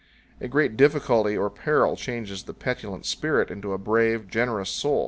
A great difficulty or peril changes the petulant spirit into a brave, generous soul. powell canyons 80.